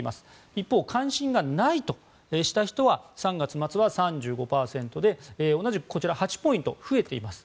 一方、関心がないとした人は３月末は３５％で同じくこちら８ポイント増えています。